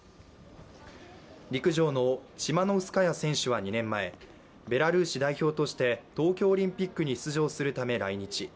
陸上のチマノウスカヤ選手は２年前ベラルーシ代表として東京オリンピックに出場するため来日。